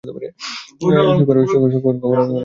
শূকর কখনও মনে করে না, সে অশুচি বস্তু ভোজন করিতেছে।